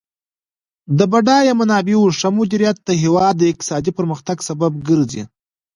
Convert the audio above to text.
د بډایه منابعو ښه مدیریت د هیواد د اقتصادي پرمختګ سبب ګرځي.